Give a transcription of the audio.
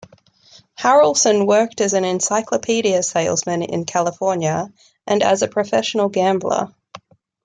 Harrelson worked as an encyclopedia salesman in California and as a professional gambler.